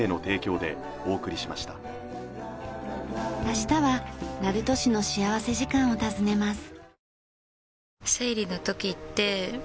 明日は鳴門市の幸福時間を訪ねます。